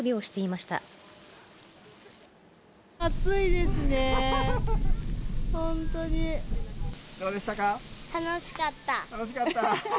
楽しかった。